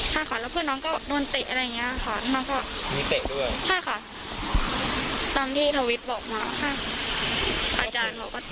ใช่ค่ะเก้าอี้ด้วยค่ะ